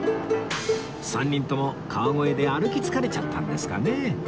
３人とも川越で歩き疲れちゃったんですかね？